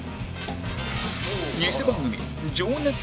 偽番組「情熱太陸」